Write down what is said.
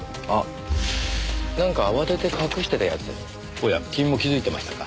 おや君も気づいてましたか？